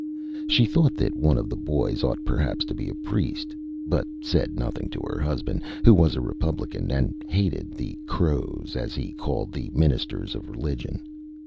She thought that one of the boys ought perhaps to be a priest, but said nothing to her husband, who was a republican, and hated the Âcrows,Â as he called the ministers of religion.